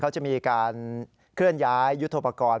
เขาจะมีการเคลื่อนย้ายยุทธโปรกรณ์